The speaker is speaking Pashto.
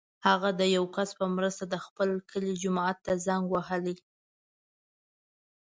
هغه د یو کس په مرسته د خپل کلي جومات ته زنګ وهلی.